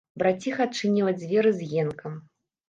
Браціха адчыніла дзверы з енкам.